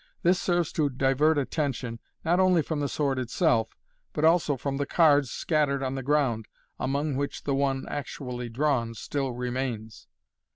This serves to divert attention, not only from the sword itself, but also from the cards scattered on the ground, among which the one actually drawn still remains.